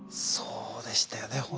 そうでしたよね